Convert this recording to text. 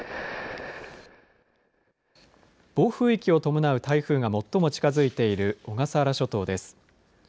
暴風域を伴う台風が最も近づいている小笠原諸島です。